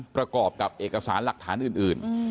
ประกอบกับเอกสารหลักฐานอื่น